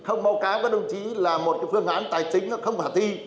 không báo cáo với đồng chí là một phương án tài chính không hạ thi